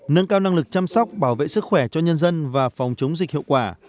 nâng cao năng lực chăm sóc bảo vệ sức khỏe cho nhân dân và phòng chống dịch hiệu quả